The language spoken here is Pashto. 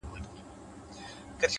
لوړ فکر نوی افق رامنځته کوي!